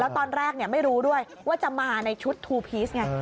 ตอนแรกไม่รู้ด้วยว่าจะมาในชุดทูพีชไง